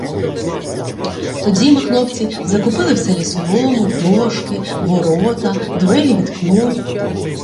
Тоді махновці закупили в селі солому, дошки, ворота, двері від клунь.